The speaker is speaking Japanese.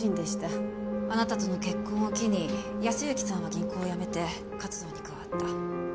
あなたとの結婚を機に靖之さんは銀行を辞めて活動に加わった。